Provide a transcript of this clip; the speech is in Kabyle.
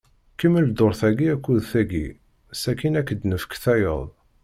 Kemmel dduṛt-agi akked tagi, sakin ad k-nefk tayeḍ.